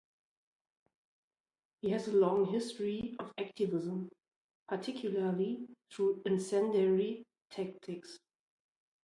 He has a long history of activism, particularly through incendiary tactics.